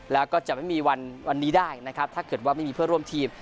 แล้วก็จะไม่มีวันวันนี้ได้นะครับถ้าเกิดว่าไม่มีเพื่อร่วมทีม